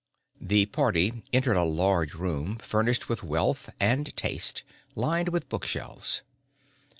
The party entered a large room, furnished with wealth and taste, lined with bookshelves.